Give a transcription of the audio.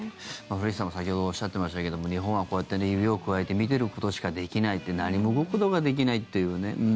古市さんも先ほどおっしゃっていましたけど日本は、こうやって指をくわえて見ていることしかできないって何も動くことができないっていうね。